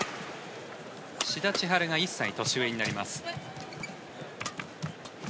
志田千陽が１歳年上になります。